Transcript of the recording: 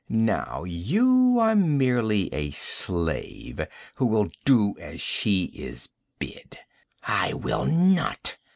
'Now you are merely a slave who will do as she is bid.' 'I will not!'